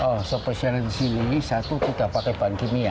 oh spesialnya di sini satu kita pakai pangkimia